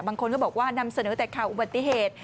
บางคนก็บอกว่านำเสนอแต่ข่าวอุบัติเหตุ